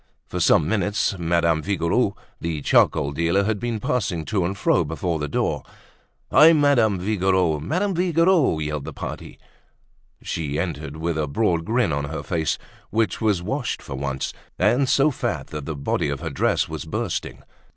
For some minutes, Madame Vigouroux, the charcoal dealer, had been passing to and fro before the door. "Hi! Madame Vigouroux! Madame Vigouroux!" yelled the party. She entered with a broad grin on her face, which was washed for once, and so fat that the body of her dress was bursting.